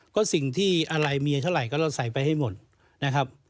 ก็สิ่งที่อะไรมีเท่าไหร่ก็เราใส่ไปให้หมดนะครับ